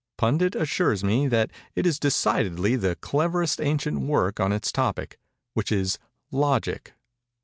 Pundit assures me that it is decidedly the cleverest ancient work on its topic, which is 'Logic.